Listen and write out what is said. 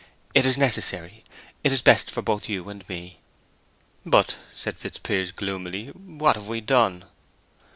"It is necessary. It is best for both you and me." "But," said Fitzpiers, gloomily, "what have we done?"